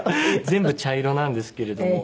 全部茶色なんですけれども。